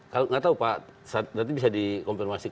kalau nggak tahu pak nanti bisa dikonfirmasi